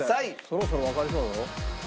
そろそろわかりそうだぞ。